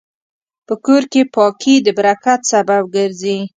په کور کې پاکي د برکت سبب ګرځي.